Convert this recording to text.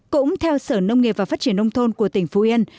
cũng theo sở nông nghiệp và phát triển nông thôn của tỉnh phú yên